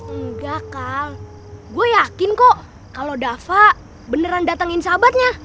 enggak kang gue yakin kok kalau dava beneran datangin sahabatnya